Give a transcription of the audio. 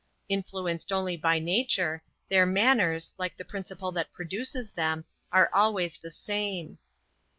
Influenced only by nature, their manners, like the principle that produces them, are always the same.